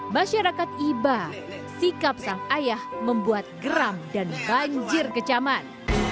masyarakat iba sikap sang ayah membuat geram dan banjir kecaman